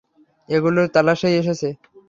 এগুলোর তালাশেই এসেছে।